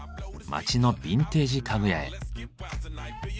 街のビンテージ家具屋へ。